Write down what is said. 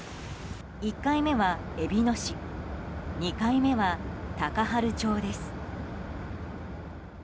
１回目はえびの市２回目は高原町です。